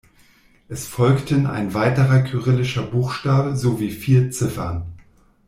Es folgten ein weiterer kyrillischer Buchstabe sowie vier Ziffern.